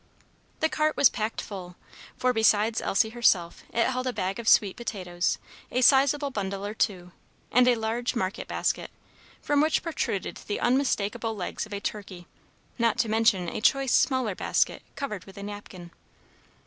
The cart was packed full; for, besides Elsie herself, it held a bag of sweet potatoes, a sizable bundle or two, and a large market basket, from which protruded the unmistakable legs of a turkey, not to mention a choice smaller basket covered with a napkin.